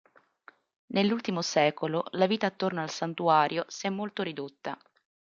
Nell'ultimo secolo la vita attorno al santuario si è molto ridotta.